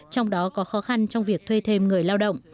trong đó có khó khăn trong việc thuê thêm người lao động